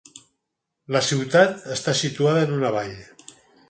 La ciutat està situada en una vall.